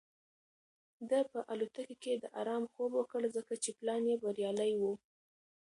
ده په الوتکه کې د ارام خوب وکړ ځکه چې پلان یې بریالی و.